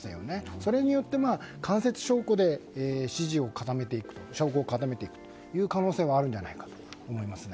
それによって、間接証拠で証拠を固めていく可能性はあるんじゃないかと思いますね。